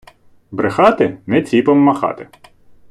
Брехати — не ціпом махати.